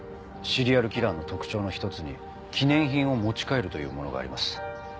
シリアルキラーの特徴の一つに記念品を持ち帰るというものがあります。